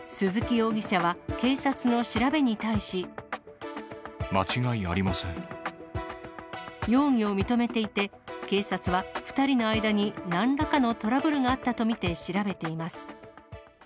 容疑を認めていて、警察は２人の間になんらかのトラブルがあったと見て調べています。